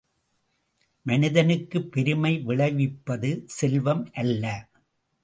மனிதனுக்குப் பெருமை விளைவிப்பது செல்வம் அல்ல!